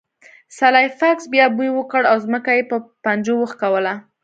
سلای فاکس بیا بوی وکړ او ځمکه یې په پنجو وښکوله